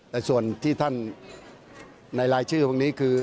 แต่ส่วนที่ท่านในรายชื่อพวกนี้คือ